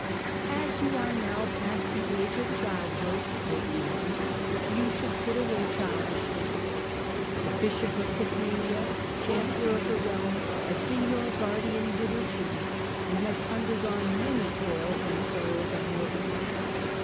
" As you are now past the age of childhood," wrote Innocent, " you should put away childish things. ... The Bishop of Catania, Chancellor of the Realm, has been your guardian hitherto and has undergone many toils and sorrows on your behalf.